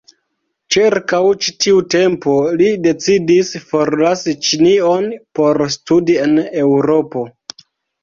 Ĉirkaŭ ĉi tiu tempo li decidis forlasi Ĉinion por studi en Eŭropo.